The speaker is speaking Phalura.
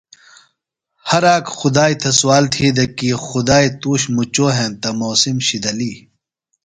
ہر آک خُدائی تھےۡ سوال تھی دےۡ کی خُدائی تُوش مُچو ہینتہ موسم شِدلیۡ۔